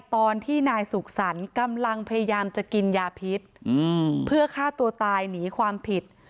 ตอนที่นายสุขสรรค์กำลังพยายามจะกินยาพิษเพื่อฆ่าตัวตายหนีความผิด